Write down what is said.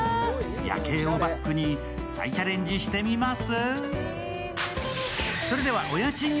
夜景をバックに再チャレンジしてみます？